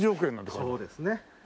そうですね。